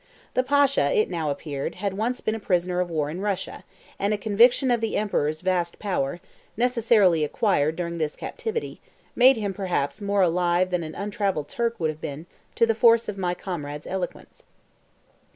The Pasha, it now appeared, had once been a prisoner of war in Russia, and a conviction of the Emperor's vast power, necessarily acquired during this captivity, made him perhaps more alive than an untravelled Turk would have been to the force of my comrade's eloquence.